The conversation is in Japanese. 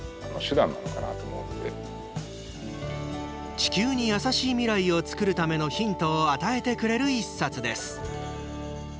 地球に優しい未来を作るためのヒントを与えてくれる１冊です。